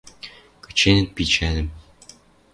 кыченӹт пичӓлӹм.